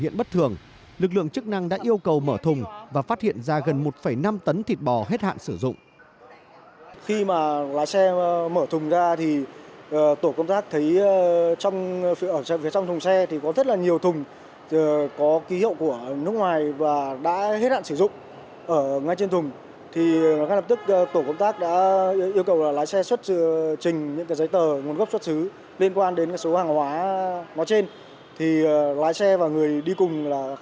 hiện bất thường lực lượng chức năng đã yêu cầu mở thùng và phát hiện ra gần một năm tấn thịt bò hết hạn sử dụng